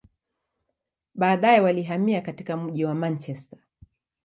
Baadaye, walihamia katika mji wa Manchester.